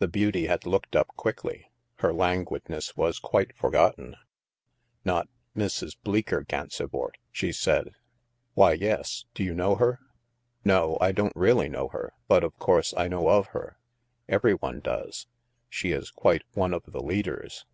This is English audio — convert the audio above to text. The beauty had looked up quickly; her languid ness was quite forgotten. "Not — Mrs. Bleecker Gansevoort?" she said. Why, yes. Do you know her?" No, I don't really know her. But, of course, I know of her. Every one does. She is quite one of the leaders.